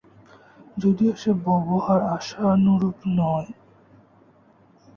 যদিও সে ব্যবহার আশানুরূপ নয়।